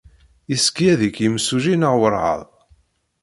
Yessekyed-ik yimsujji neɣ werɛad?